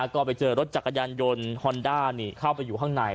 ก็ไปเจอรถจักรยานยนต์ฮอนด้าเข้าไปอยู่ข้างใน